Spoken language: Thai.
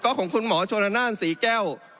ของคุณหมอชนนานศรีแก้ว